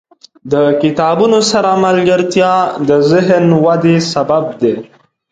• د کتابونو سره ملګرتیا، د ذهن ودې سبب دی.